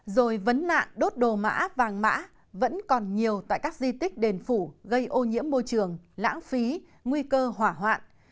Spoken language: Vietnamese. rồi vấn nạn đốt đồ mã vàng mã vẫn còn nhiều tại các di tích đền phủ gây ô nhiễm môi trường lãng phí nguy cơ hỏa hoạn